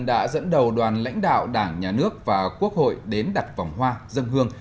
đã dẫn đầu đoàn lãnh đạo đảng nhà nước và quốc hội đến đặt vòng hoa dân hương